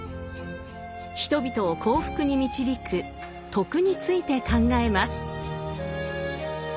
人々を幸福に導く「徳」について考えます。